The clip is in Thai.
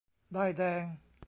ด้ายแดง ?